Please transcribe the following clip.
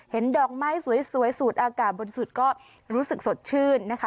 ดอกไม้สวยสูดอากาศบนสุดก็รู้สึกสดชื่นนะคะ